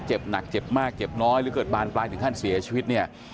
เจ็บหนักเจ็บมากเจ็บน้อยหรือเกิดบานปลายถึงขั้นเสียชีวิตเนี่ย